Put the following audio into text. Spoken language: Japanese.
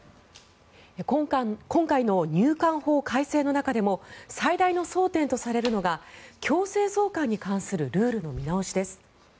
今回の入管法改正の中でも最大の争点とされるのが強制送還に関するルールの見直しです。